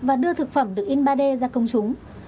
và đưa thực phẩm được in ba d ra công chúng